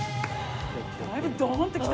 だいぶドーンってきた。